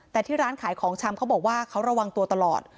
แต่ที่ร้านขายของชำเขาบอกว่าเขาระวังตัวตลอด